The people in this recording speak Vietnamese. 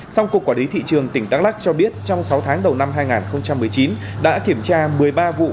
sau cuộc quả lý thị trường tỉnh đắk lắc cho biết trong sáu tháng đầu năm hai nghìn một mươi chín đã kiểm tra một mươi ba vụ